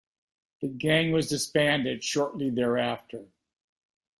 The gang was disbanded shortly thereafter.